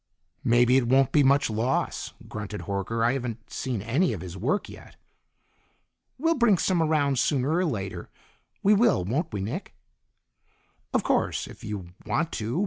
"Maybe it won't be much loss," grunted Horker. "I haven't seen any of his work yet." "We'll bring some around sooner or later. We will, won't we, Nick?" "Of course, if you want to.